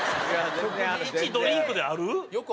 いちドリンクである？